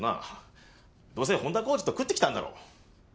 どうせ本田浩二と食ってきたんだろ。